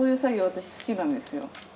私好きなんですよ。